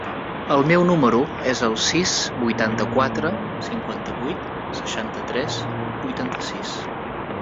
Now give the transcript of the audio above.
El meu número es el sis, vuitanta-quatre, cinquanta-vuit, seixanta-tres, vuitanta-sis.